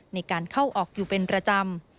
ในการเข้าออกอยู่เป็นประจำ